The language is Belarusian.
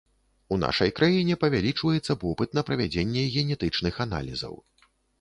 У нашай краіне павялічваецца попыт на правядзенне генетычных аналізаў.